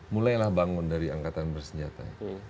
mulailah bangun dari angkatan bersenjata